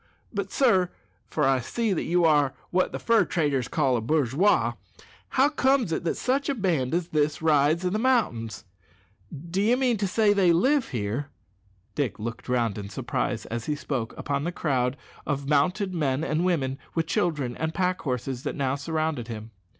But, sir (for I see you are what the fur traders call a bourgeois), how comes it that such a band as this rides i' the mountains? D'ye mean to say that they live here?" Dick looked round in surprise, as he spoke, upon the crowd of mounted men and women, with children and pack horses, that now surrounded him.